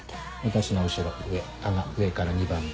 私の後ろ上棚上から２番目。